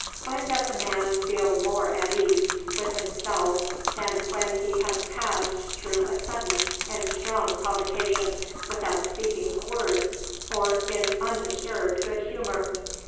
When does a man feel more at ease with himself than when he has passed through a sudden and strong provocation without speaking a word, or in undisturbed good humor?